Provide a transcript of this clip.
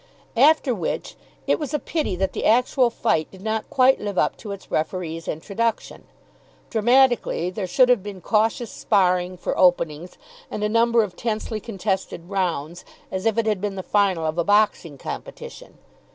After which, it was a pity that the actual fight did not quite live up to its referee's introduction. Dramatically, there should have been cautious sparring for openings and a number of tensely contested rounds, as if it had been the final of a boxing competition.